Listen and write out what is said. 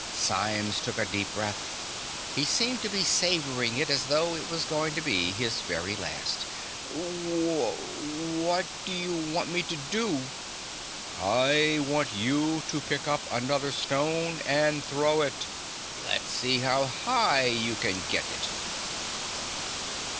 Symes took a deep breath. He seemed to be savoring it, as if he thought it was going to be his very last. "Wh what do you want me to do?" "I want you to pick up another stone and throw it. Let's see how high you can get it."